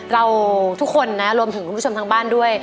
เราทุกคนนะรวมถึงคุณผู้ชมทางบ้านด้วย